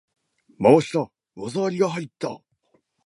回した！技ありが入った！